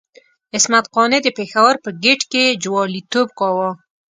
عصمت قانع د پېښور په ګېټ کې جواليتوب کاوه.